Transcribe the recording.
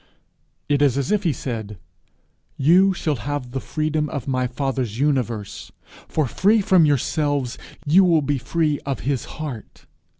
It is as if he said, 'You shall have the freedom of my father's universe; for, free from yourselves, you will be free of his heart.